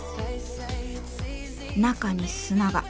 中に砂が。